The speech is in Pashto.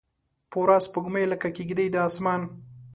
پوره سپوږمۍ لکه کیږدۍ د اسمان